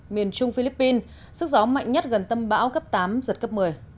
miền trung philippines sức gió mạnh nhất gần tâm bão cấp tám giật cấp một mươi